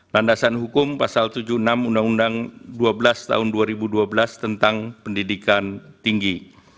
landasan hukum pasal tujuh puluh enam undang undang dua belas tahun dua ribu dua belas tentang pendidikan tinggi